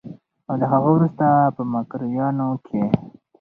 او د هغه وروسته په مکروریانو کې